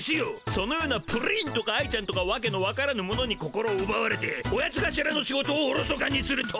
そのようなプリンとか愛ちゃんとかわけのわからぬものに心をうばわれてオヤツがしらの仕事をおろそかにするとは。